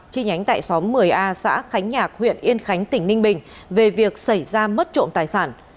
chi nhánh tại xóm một mươi a xã khánh nhạc huyện yên khánh tỉnh ninh bình về việc xảy ra mất trộm tài sản